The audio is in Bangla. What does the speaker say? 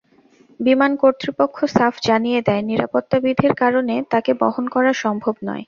বিমান কর্তৃপক্ষ সাফ জানিয়ে দেয়, নিরাপত্তাবিধির কারণে তাঁকে বহন করা সম্ভব নয়।